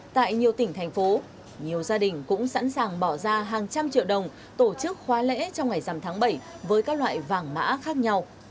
tại nhiều tỉnh thành phố nhiều gia đình cũng sẵn sàng bỏ ra hàng trăm triệu đồng tổ chức khóa lễ trong ngày dằm tháng bảy với các loại vàng mã khác nhau